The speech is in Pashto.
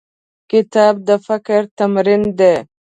کتاب د فکر تمرین دی.